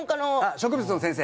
植物の先生？